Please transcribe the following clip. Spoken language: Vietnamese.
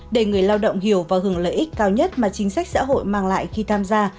để người lao động hiểu và hưởng lợi ích cao nhất mà chính sách xã hội mang lại khi tham gia